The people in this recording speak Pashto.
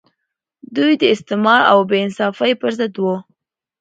دوی د استثمار او بې انصافۍ پر ضد وو.